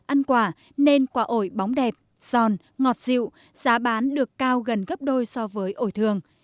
ăn quả nên quả ổi bóng đẹp giòn ngọt dịu giá bán được cao gần gấp đôi so với ổi thường